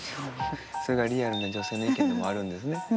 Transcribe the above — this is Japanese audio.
それがリアルな女性の意見でもあるんですね。